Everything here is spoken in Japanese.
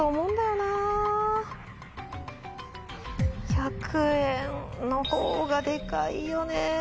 １００円のほうがデカいよね。